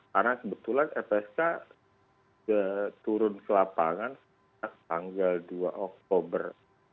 karena sebetulnya lpsk turun ke lapangan tanggal dua oktober